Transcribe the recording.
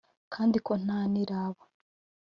kandi ko nta n’iraba